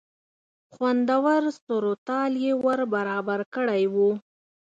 خوندور سور و تال یې ور برابر کړی و.